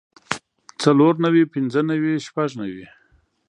څلور نوي پنځۀ نوي شپږ نوي